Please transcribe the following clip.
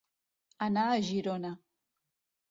Anar a Girona.